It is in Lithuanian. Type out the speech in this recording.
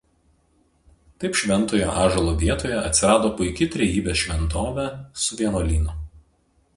Taip šventojo ąžuolo vietoje atsirado puiki Trejybės šventovė su vienuolynu.